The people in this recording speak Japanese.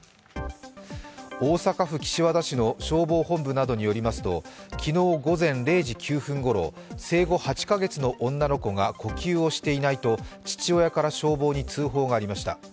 大阪府岸和田市の消防本部などによりますと、昨日午前０時９分ごろ、生後８か月の女の子が呼吸をしていないと父親から消防に通報がありました。